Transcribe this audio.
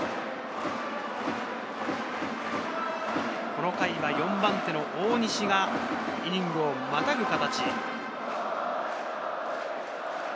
この回は４番手の大西がイニングをまたぐ形。